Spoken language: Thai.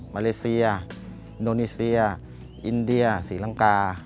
มาเลเซียโดนีเซียอินเดียศรีลังกา